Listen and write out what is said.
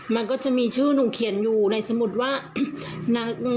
มันก็จะมีชื่อหนูเขียนอยู่ในสมุดว่านาง